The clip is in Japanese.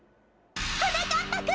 はなかっぱくん！